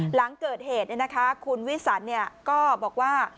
หลังเกิดเหตุคุณวิสันก็บอกว่า